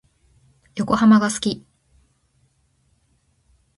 横浜が好き。